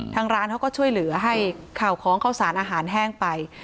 ทางร้านเขาก็ช่วยเหลือให้ข่าวของข้าวสารอาหารแห้งไป